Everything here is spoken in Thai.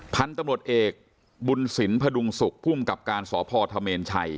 ทันตำรสเอกบุญศิลประดุงศุกร์ภูมิกับกราชสหพธเมนไช